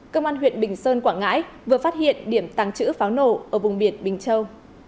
công an huyện bình sơn quảng ngãi vừa phát hiện điểm tàng trữ pháo nổ ở vùng biển bình châu